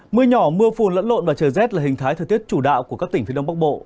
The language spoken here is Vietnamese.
mưa nhỏ mưa phùn lẫn lộn và trời rét là hình thái thời tiết chủ đạo của các tỉnh phía đông bắc bộ